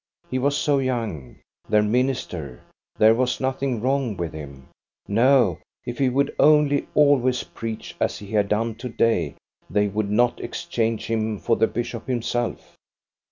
He was so young, their minister; there was nothing wrong with him. No ; if he would only always preach as he had done to day they would not exchange him for the bishop himself.